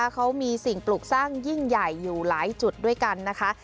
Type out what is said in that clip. เขามีสิ่งปลูกสร้างยิ่งใหญ่อยู่หลายจุดด้วยกันนะคะ